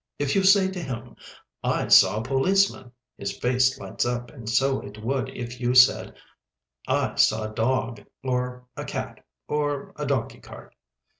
If you say to him, "I saw a policeman," his face lights up and so it would if you said "I saw a dog," or a cat, or a donkey cart.